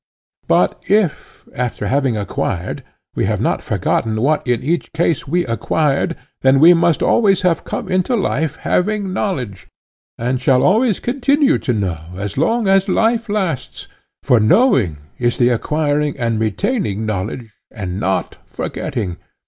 But if, after having acquired, we have not forgotten what in each case we acquired, then we must always have come into life having knowledge, and shall always continue to know as long as life lasts—for knowing is the acquiring and retaining knowledge and not forgetting.